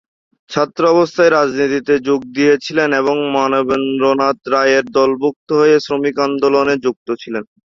ছাত্রাবস্থায় রাজনীতিতে যোগ দিয়েছিলেন এবং মানবেন্দ্রনাথ রায়ের দলভুক্ত হয়ে শ্রমিক আন্দোলন যুক্ত ছিলেন।